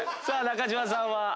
さあ中島さんは？